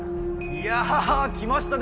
いや来ましたね